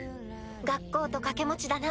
学校と掛け持ちだな。